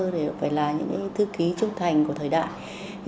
đều phải là những thư ký trung thành của thời đại